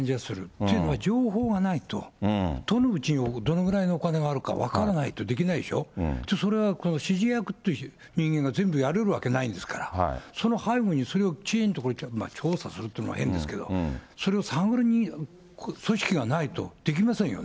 というのは、情報がないとどのうちにどのぐらいのお金があるか分からないとできないでしょ、それは指示役という人間が全部やれるわけないですから、その背後にそれをきちんと調査するっていうのも変ですけど、それを探る組織がないと、できませんよね。